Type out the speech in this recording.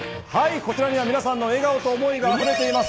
こちらには皆さんの笑顔と想いがあふれています。